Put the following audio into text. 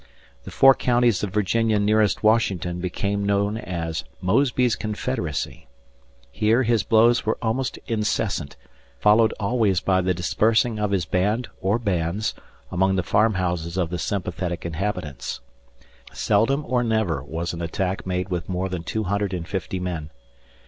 The four counties of Virginia nearest Washington became known as "Mosby's Confederacy." Here his blows were almost incessant, followed always by the dispersing of his band or bands among the farmhouses of the sympathetic inhabitants. Seldom or never was an attack made with more than two hundred and fifty men.